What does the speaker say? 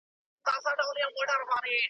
په خوله ذکر په زړه مکر تر خرقې لاندي جامونه .